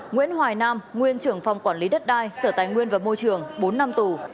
nguyễn hoài nam nguyên trưởng phòng quản lý đất đai sở tài nguyên và môi trường bốn năm tù